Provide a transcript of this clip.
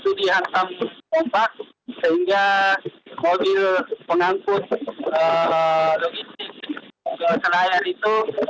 itu dihantam kompas sehingga mobil pengangkut logistik ke senayan itu